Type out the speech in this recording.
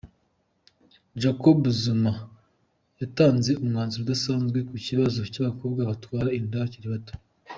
Jacob Zuma yatanze umwanzuro udasanzwe ku kibazo cy’abakobwa batwara inda bakiri bato.